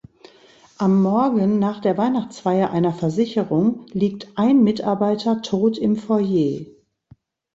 Am Morgen nach der Weihnachtsfeier einer Versicherung liegt ein Mitarbeiter tot im Foyer.